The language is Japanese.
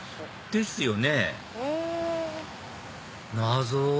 ですよね謎！